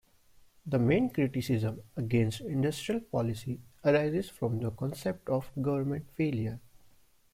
The main criticism against industrial policy arises from the concept of government failure.